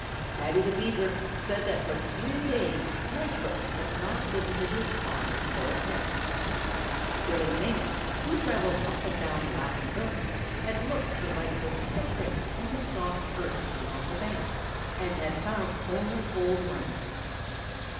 Paddy the Beaver said that for three days Lightfoot had not visited his pond for a drink. Billy Mink, who travels up and down the Laughing Brook, had looked for Lightfoot's footprints in the soft earth along the banks and had found only old ones.